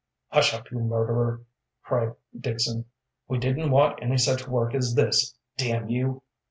"Hush up, you murderer," cried Dixon. "We didn't want any such work as this, damn you.